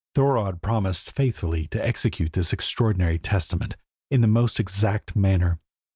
Thorodd promised faithfully to execute this extraordinary testament in the most exact manner.